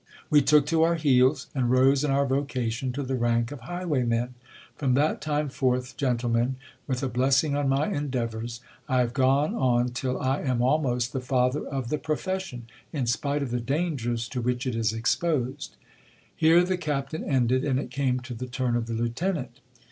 We took to our beds, and rose in our vocation to the rank of highwaymen. From that time forth, gentlemen, with a blessing on my endeavours, I have gone on till I am almost the father of the profession, in spite of the dangers to which it is exposed. Here the captain ended, and it came to the turn of the lieutenant.